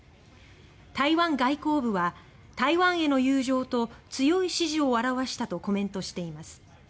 台湾外交部は「台湾への友情と強い支持を表した」とコメントしています。